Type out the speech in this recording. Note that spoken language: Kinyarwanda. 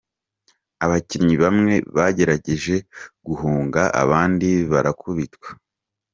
Abakinnyi bamwe bagerageje guhunga abandi barakubitwa.